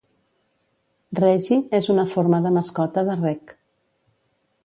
"Reggie" és una forma de mascota de "Reg".